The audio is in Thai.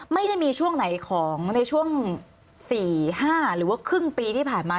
ไม่ได้มีช่วงไหนของในช่วง๔๕หรือว่าครึ่งปีที่ผ่านมา